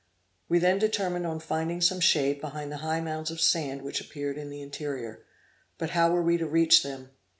We then determined on finding some shade behind the high mounds of sand which appeared in the interior; but how were we to reach them!